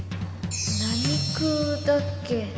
「何劫」だっけ？